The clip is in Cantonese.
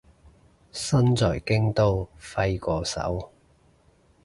身在京都揮個手